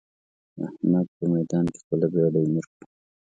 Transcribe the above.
احمد په ميدان کې خپله بېډۍ مير کړه.